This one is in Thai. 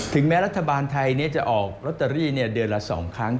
แม้รัฐบาลไทยจะออกลอตเตอรี่เดือนละ๒ครั้ง